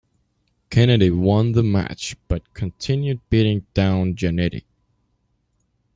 Kennedy won the match, but continued beating down Jannetty.